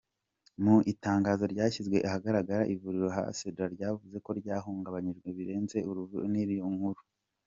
Mu itangazo ryashyize ahagaragara, ivuriro Hacienda ryavuze ko ryahungabanyijwe "birenze uruvugiro" n'iyo nkuru.